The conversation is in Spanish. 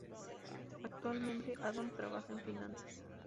Actualmente Adam trabaja en finanzas.